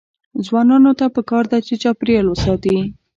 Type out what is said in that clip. ځوانانو ته پکار ده چې، چاپیریال وساتي.